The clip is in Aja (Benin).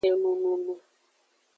Enununu.